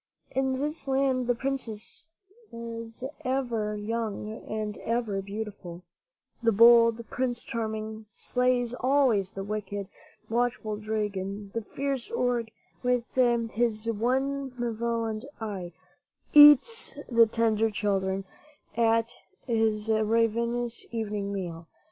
In this land the princess is ever young and ever beautiful; the bold Prince Charming slays always the wicked, watchful dragon; the fierce Ogre, with his one malevolent eye forever eats the tender children at his ravenous evening meal.